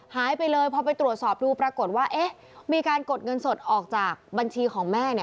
หายไปเลยพอไปตรวจสอบดูปรากฏว่าเอ๊ะมีการกดเงินสดออกจากบัญชีของแม่เนี่ย